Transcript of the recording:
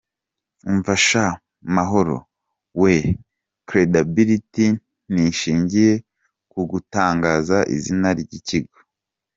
Umva sha Mahoro wee, credibility ntishingiye ku gutangaza izina ry'ikigo.